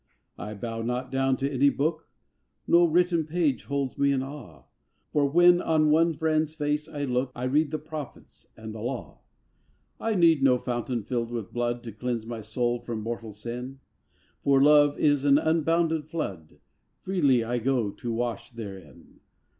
I bow not down to any book, No written page holds me in awe; For when on one friend's face I look I read the Prophets and the Law! I need no fountain filled with blood To cleanse my soul from mortal sin; For love is an unbounded flood Freely I go to wash therein.